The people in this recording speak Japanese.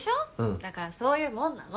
だからそういうもんなの。